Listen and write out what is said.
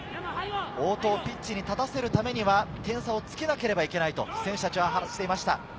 大戸をピッチに立たせるためには、点差をつけなければいけないと選手たちは話していました。